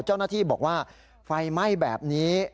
เจ้าหน้าที่บอกว่าไฟไหม้แบบนี้